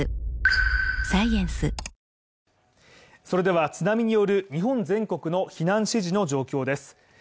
それでは津波による日本全国の避難指示の状況です。